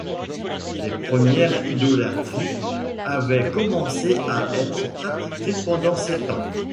Les premières idolâtries avaient commencé à être pratiquées pendant ces temps.